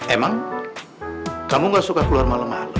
emang kamu gak suka keluar malem malem